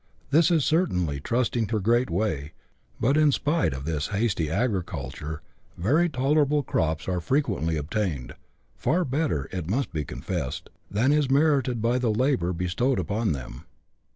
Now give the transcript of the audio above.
This is certainly trusting her a great way ; but in spite of this hasty agriculture, very tolerable crops are frequently obtained, far better, it must be confessed, than is merited by the labour be stowed upon them.